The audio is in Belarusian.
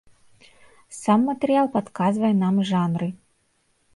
Сам матэрыял падказвае нам жанры.